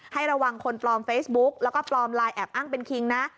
ให้ระวังคนปลอมเฟซบุ๊กแล้วก็ปลอมไลน์แอบอ้างเป็นคิงนะ